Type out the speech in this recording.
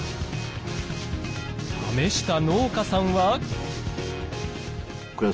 試した農家さんは。